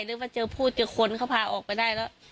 หรือว่าพูดจากคนเขาพาออกไปได้แล้ว